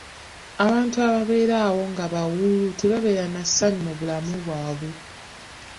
Abantu ababeera awo nga bawuulu tebabeera nassanyu mu bulamu bwabwe.